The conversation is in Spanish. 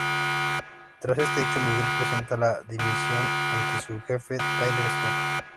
Tras este hecho, Miguel presenta la dimisión ante su jefe, Tyler Stone.